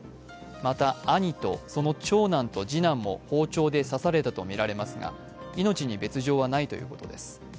また、兄とその長男と次男も包丁で刺されたとみられますが、命に別状はないということです。